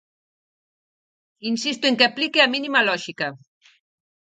Insisto en que aplique a mínima lóxica.